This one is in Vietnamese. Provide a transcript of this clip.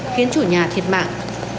khiến chủ nhà thiệt mạng